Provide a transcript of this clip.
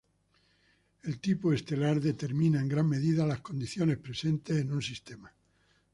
El tipo estelar determina en gran medida las condiciones presentes en un sistema.